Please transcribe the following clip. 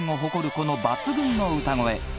この抜群の歌声